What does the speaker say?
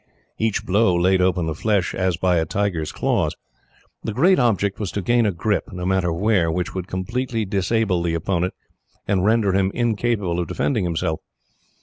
Each blow laid open the flesh as by a tiger's claws. The great object was to gain a grip, no matter where, which would completely disable the opponent, and render him incapable of defending himself.